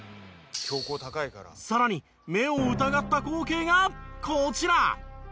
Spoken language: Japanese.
「標高高いから」更に目を疑った光景がこちら！